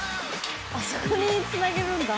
あそこにつなげるんだ。